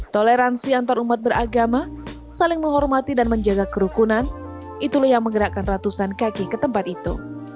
toleransi antarumat beragama saling menghormati dan menjaga kerukunan itulah yang menggerakkan ratusan kaki ke tempat itu